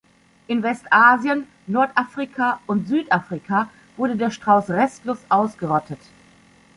In Westasien, Nordafrika und Südafrika wurde der Strauß restlos ausgerottet.